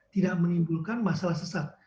tidak menimbulkan masalah sesat